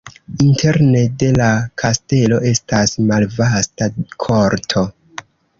Interne de la kastelo estas malvasta korto.